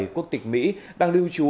quốc tịch mỹ đang lưu trú